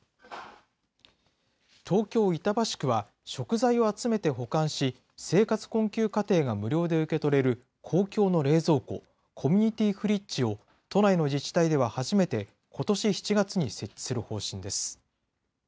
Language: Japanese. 東京・板橋区は、食材を集めて保管し、生活困窮家庭が無料で受け取れる公共の冷蔵庫、コミュニティフリッジを都内の自治体では初めてことし７月に設置する方針です。